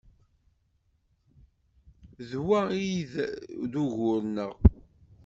D wa ay d ugur-nneɣ.